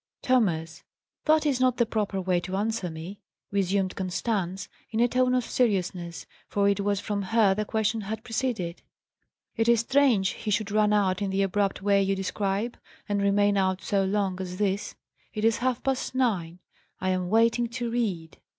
"Thomas, that is not the proper way to answer me," resumed Constance, in a tone of seriousness, for it was from her the question had proceeded. "It is strange he should run out in the abrupt way you describe, and remain out so long as this. It is half past nine! I am waiting to read."